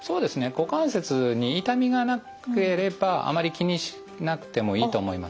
股関節に痛みがなければあまり気にしなくてもいいと思います。